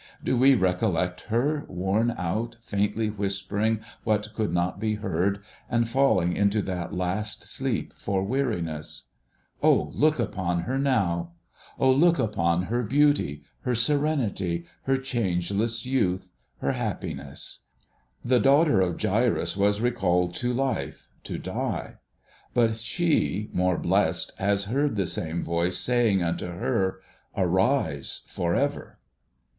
Do we recollect her, worn out, faintly whispering what could not be heard, and falling into that last sleep for weariness ? O look upon her now ! O look upon her beauty, her serenity, her changeless youth, her happiness ! The daughter of Jairus was recalled to life, to die ; but she, more blest, has heard the same voice, saying unto her, ' Arise for ever